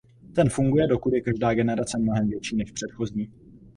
Ten funguje, dokud je každá generace mnohem větší než předchozí.